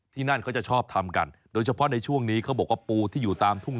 ที่นั่นเขาจะชอบทำกันโดยเฉพาะในช่วงนี้เขาบอกว่าปูที่อยู่ตามทุ่ง